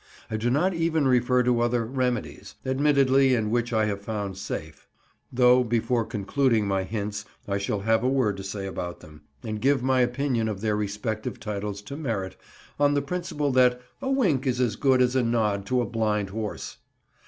I do not even refer to other "remedies," admittedly and which I have found safe, though before concluding my hints I shall have a word to say about them, and give my opinion of their respective titles to merit, on the principle that "a wink is as good as a nod to a blind horse."